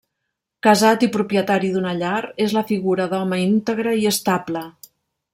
Casat i propietari d'una llar, és la figura d'home íntegre i estable.